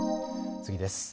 次です。